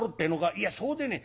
「いやそうでねえ。